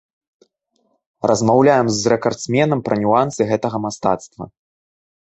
Размаўляем з рэкардсменам пра нюансы гэтага мастацтва.